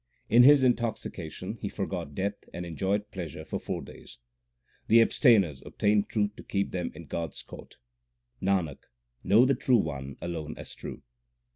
In his intoxication he forgot death and enjoyed pleasure for four days. The abstainers 1 obtained truth to keep them in God s court. Nanak, know the True One alone as true.